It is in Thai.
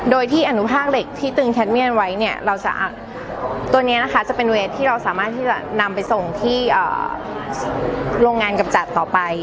โดยที่อนุภาคเหล็กที่ตึงแคทเมี่ยนไว้เนี่ยเราจะตัวนี้นะคะจะเป็นเวทที่เราสามารถที่จะนำไปส่งที่โรงงานกำจัดต่อไป